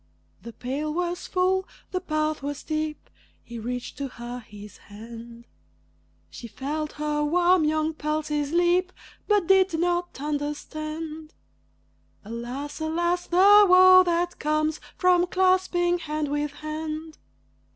The pail was full, the path was steep He reached to her his hand; She felt her warm young pulses leap, But did not understand. Alas! alas! the woe that comes from clasping hand with hand.